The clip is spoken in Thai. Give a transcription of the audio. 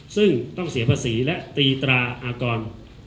ซึ่งต้องเสียภาษีและตีตราอากร